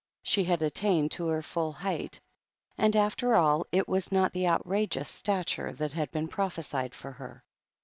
She had attained to her full height, and after all, it was not the outrageous stature that had been prophesied for her.